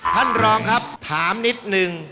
ท่านรองครับถามนิดนึง